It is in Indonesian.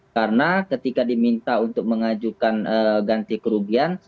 karena ketika diminta untuk mengajukan ganti kerugian